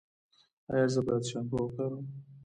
ایا زه باید شامپو وکاروم؟